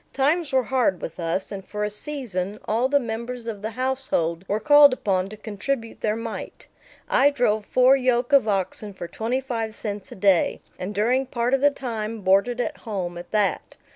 Times were hard with us, and for a season all the members of the household were called upon to contribute their mite. I drove four yoke of oxen for twenty five cents a day, and during part of the time boarded at home at that.